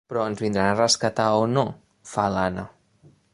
Però ens vindran a rescatar o no? —fa l'Anna.